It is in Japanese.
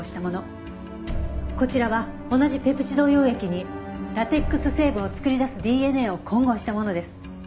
こちらは同じペプチド溶液にラテックス成分を作り出すＤＮＡを混合したものです。